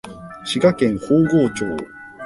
滋賀県豊郷町